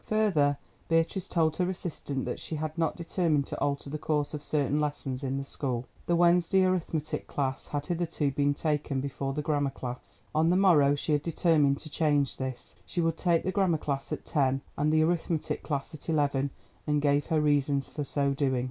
Further, Beatrice told her assistant that she had determined to alter the course of certain lessons in the school. The Wednesday arithmetic class had hitherto been taken before the grammar class. On the morrow she had determined to change this; she would take the grammar class at ten and the arithmetic class at eleven, and gave her reasons for so doing.